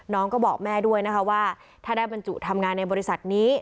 น้องก็บอกแม่ด้วยนะคะว่าถ้าได้บรรจุทำงานในบริษัทนี้